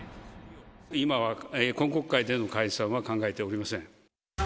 今は、今国会での解散は考えておりません。